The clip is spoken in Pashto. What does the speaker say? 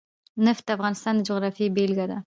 نفت د افغانستان د جغرافیې بېلګه ده.